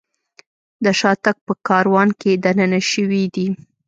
د شاتګ په کاروان کې دننه شوي دي.